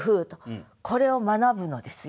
これを学ぶのですよ。